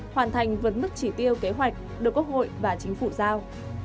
hoàn thành vấn mức chỉ tiêu kế hoạch được quốc hội và chính phủ giao